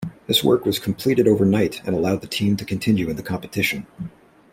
This work was completed overnight and allowed the team to continue in the competition.